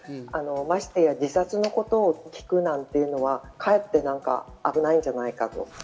ましてや自殺のことを聞くなんていうのはかえって危ないんじゃないかと。